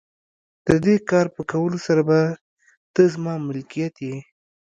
د دې کار په کولو سره به ته زما ملکیت یې.